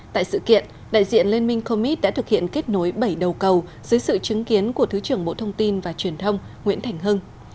tại sự kiện đại diện liên minh comit đã thực hiện kết nối bảy đầu cầu dưới sự chứng kiến của thứ trưởng bộ thông tin và truyền thông nguyễn thành hưng